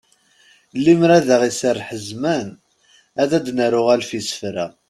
Limer ad aɣ-iserreḥ zzman, ad d-naru alef isefra.